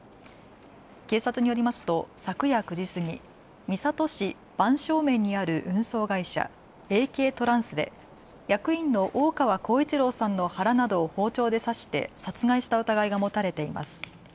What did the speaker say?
警察によりますと昨夜９時過ぎ、三郷市番匠免にある運送会社、ＡＫトランスで役員の大川幸一郎さんの腹などを包丁で刺して殺害した疑いが持たれています。